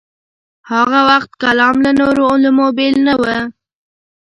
هاغه وخت کلام له نورو علومو بېل نه و.